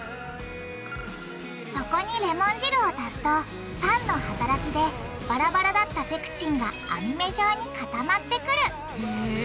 そこにレモン汁を足すと酸の働きでバラバラだったペクチンが網目状に固まってくるへぇ。